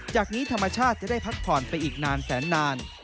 จากนี้ธรรมชาติจะได้พักผ่อนไปอีกนานแสนนาน